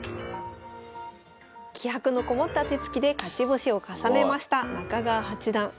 気迫のこもった手つきで勝ち星を重ねました中川八段。